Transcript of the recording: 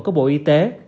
của bộ y tế